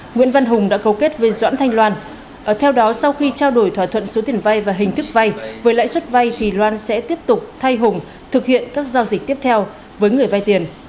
nguyễn văn hùng đã khấu kết với doãn thanh loan theo đó sau khi trao đổi thỏa thuận số tiền vai và hình thức vai với lãi suất vai thì loan sẽ tiếp tục thay hùng thực hiện các giao dịch tiếp theo với người vai tiền